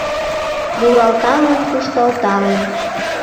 Муралталын-кушталталын